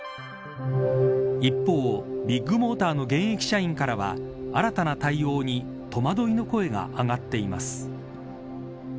一方ビッグモーターの現役社員からは新たな対応に戸惑いの声が上がっています。